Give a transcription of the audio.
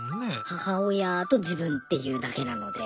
母親と自分っていうだけなので。